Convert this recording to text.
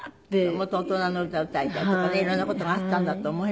もっと大人の歌を歌いたいとかね色んな事があったんだと思います。